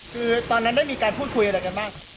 คือตอนนั้นได้มีการพูดคุยอะไรกันบ้าง